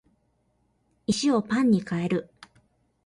石をパンに変える